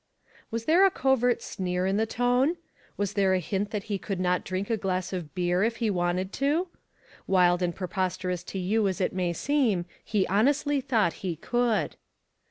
Was there a covert sneer in the tone? Was there a hint that he could not drink a glass of beer if he wanted to? Wild and preposterous to you as it may seem, he honestly thought he could.